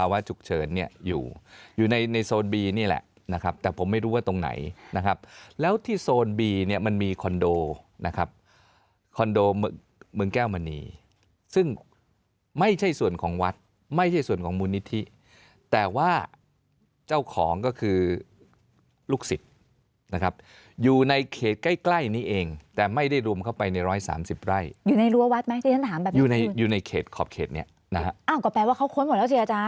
ว่าจุกเชิญเนี่ยอยู่อยู่ในในโซนบีนี่แหละนะครับแต่ผมไม่รู้ว่าตรงไหนนะครับแล้วที่โซนบีเนี่ยมันมีคอนโดนะครับคอนโดเมืองแก้วมณีซึ่งไม่ใช่ส่วนของวัดไม่ใช่ส่วนของมูลนิธิแต่ว่าเจ้าของก็คือลูกศิษย์นะครับอยู่ในเขตใกล้ใกล้นี้เองแต่ไม่ได้รุมเข้าไปในร้อยสามสิบไร่อยู่ในรั้ววัดไหมที่ฉ